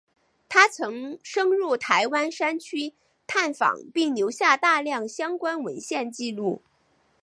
他曾深入台湾山区探访并留下大量相关文献纪录。